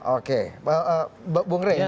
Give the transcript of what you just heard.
oke bung re terakhir